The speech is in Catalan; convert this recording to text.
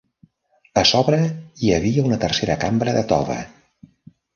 A sobre hi havia una tercera cambra de tova.